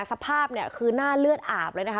สภาพเนี่ยคือหน้าเลือดอาบเลยนะคะ